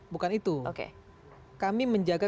bukan itu kami menjaga